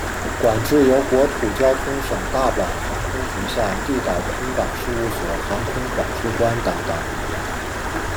管制由国土交通省大阪航空局下地岛空港事务所航空管制官担当。